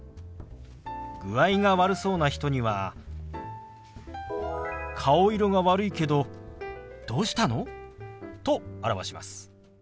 具合が悪そうな人には「顔色が悪いけどどうしたの？」と表します。